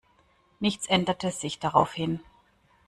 Nichts änderte sich daraufhin.